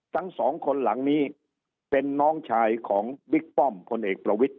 ทั้งสองคนหลังนี้เป็นน้องชายของบิ๊กป้อมพลเอกประวิทย